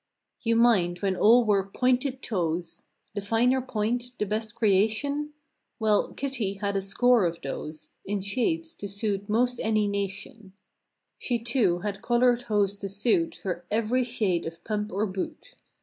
You mind when all wore "pointed toes," The finer point, the best creation ? Well Kitty had a score of those. In shades to suit most any nation. She, too, had colored hose to suit Her every shade of pump or boot.